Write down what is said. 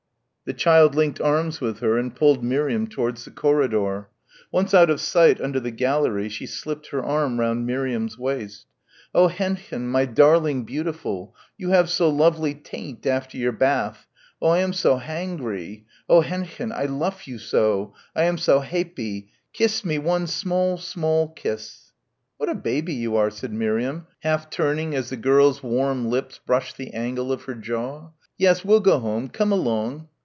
The child linked arms with her and pulled Miriam towards the corridor. Once out of sight under the gallery she slipped her arm round Miriam's waist. "Oh, Hendchen, my darling beautiful, you have so lovely teint after your badth oh, I am zo hangry, oh Hendchen, I luff you zo, I am zo haypie, kiss me one small, small kiss." "What a baby you are," said Miriam, half turning as the girl's warm lips brushed the angle of her jaw. "Yes, we'll go home, come along."